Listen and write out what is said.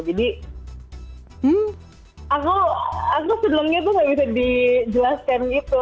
jadi aku sedulungnya tuh gak bisa dijelaskan gitu